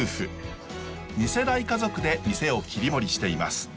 ２世代家族で店を切り盛りしています。